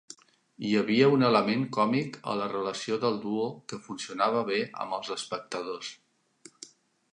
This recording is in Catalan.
Hi havia un element còmic a la relació del duo que funcionava bé amb els espectadors.